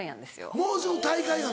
もうすぐ大会なの？